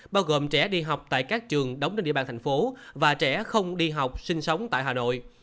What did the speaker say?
bao gồm trẻ đi học tại các trường đóng trên địa bàn thành phố và trẻ không đi học sinh sống tại hà nội